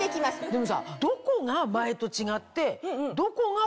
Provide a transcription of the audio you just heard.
でもさどこが前と違って。